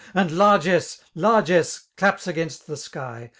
And largess ! largess ! cjaps against the sky.